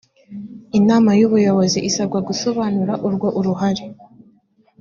inama y ubuyobozi isabwa gusobanura urwo uruhare